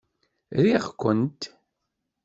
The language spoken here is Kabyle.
Riɣ-kent.